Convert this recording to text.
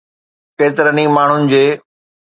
ڪيترن ئي ماڻهن جي